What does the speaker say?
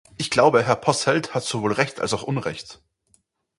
Ich glaube, Herr Posselt hat sowohl recht als auch unrecht.